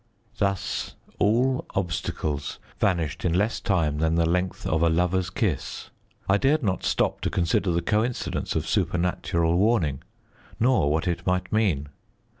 Thus all obstacles vanished in less time than the length of a lover's kiss. I dared not stop to consider the coincidence of supernatural warning nor what it might mean.